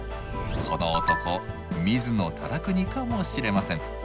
この男水野忠邦かもしれません。